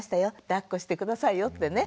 だっこして下さいよってね。